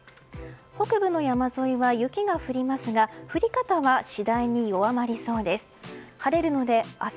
北部の山沿いは雪が降りますが降り方は次第に弱まりそうです。